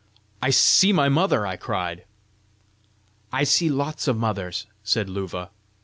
"I see my mother!" I cried. "I see lots o' mothers!" said Luva.